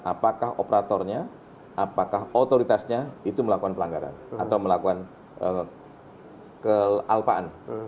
apakah operator nya apakah otoritas nya itu melakukan pelanggaran atau melakukan kealpaan